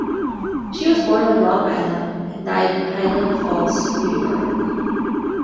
She was born on Long Island and died in Highland Falls, New York.